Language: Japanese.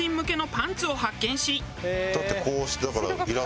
だってこうしてだから。